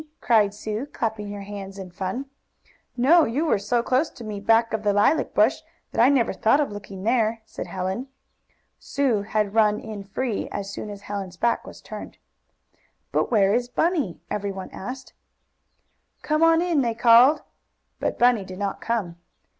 cried Sue, clapping her hands in fun. "No, you were so close to me, back of the lilac bush, that I never thought of looking there," said Helen. Sue had run "in free," as soon as Helen's back was turned. "But where is Bunny?" everyone asked. "Come on in!" they called. But Bunny did not come.